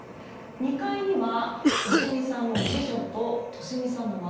２階には利美さんの次女と利美さんの孫。